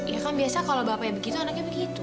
ya kan biasa kalau bapaknya begitu